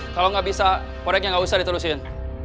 kalau gak bisa proyeknya gak usah diterusin